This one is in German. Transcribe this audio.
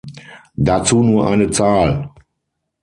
Dazu nur eine Zahl.